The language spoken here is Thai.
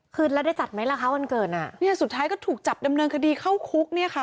คืนแล้วได้จัดไหมล่ะคะวันเกิดอ่ะเนี่ยสุดท้ายก็ถูกจับดำเนินคดีเข้าคุกเนี่ยค่ะ